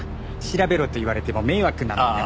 調べろと言われても迷惑なので。